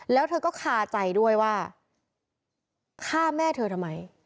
แล้วเธอก็คาใจด้วยว่าฆ่าแม่เธอทำไม